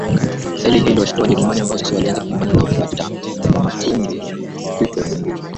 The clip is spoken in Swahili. Staili hiyo iliwashitua Wajerumani ambao sasa walianza kupambana na Wamatumbi kwa mtutu wa bunduki